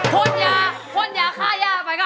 โทนยาโทนยาฆ่ายาไปค่ะ